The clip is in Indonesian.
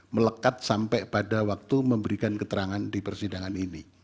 melekat sampai pada waktu memberikan keterangan di persidangan ini